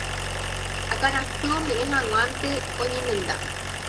akãrasy ome'ẽ hag̃uánte oñemenda.